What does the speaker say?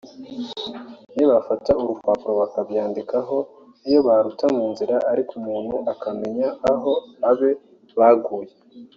niyo bafata urupapuro bakabyandikaho niyo baruta mu nzira ariko umuntu akamenya aho abe baguye”